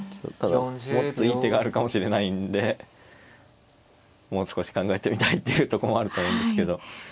ただもっといい手があるかもしれないんでもう少し考えてみたいっていうとこもあると思うんですけど。